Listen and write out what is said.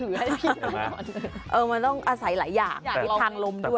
เออมันต้องอาศัยหลายอย่างทิศทางลมด้วยอะไรด้วย